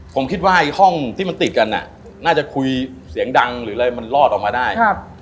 ผมคิดว่าห้องที่มันติดกันน่าจะคุยเสียงดังหรืออะไรมันรอดออกมาได้